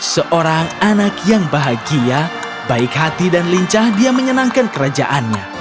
seorang anak yang bahagia baik hati dan lincah dia menyenangkan kerajaannya